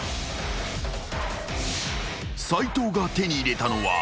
［斉藤が手に入れたのは］